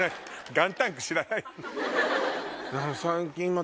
ガンタンク知らない？